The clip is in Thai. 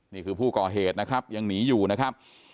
นี่คือผู้ก่อเหตุนะครับยังหนีอยู่นะครับ